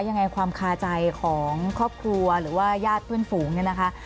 ยังไงความคาใจของครอบครัวหรือว่าญาติเพื่อนฝูงเนี่ยนะคะ